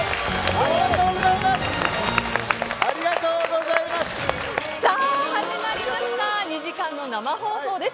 ありがとうございます。